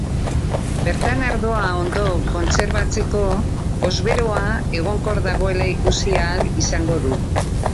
Bertan ardoa ondo kontserbatzeko hozberoa egonkor dagoela ikusi ahal izango du.